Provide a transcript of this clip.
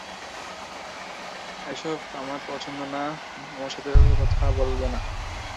এসব আমার পছন্দ না, - আমার সাথে এভাবে কথা বলবেনা।